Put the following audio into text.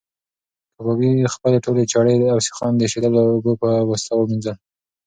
کبابي خپلې ټولې چړې او سیخان د ایشېدلو اوبو په واسطه ومینځل.